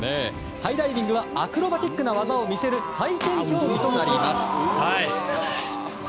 ハイダイビングはアクロバティックな技を見せる採点競技となります。